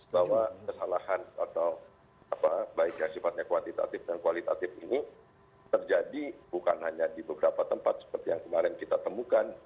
bahwa kesalahan atau apa baik yang sifatnya kuantitatif dan kualitatif ini terjadi bukan hanya di beberapa tempat seperti yang kemarin kita temukan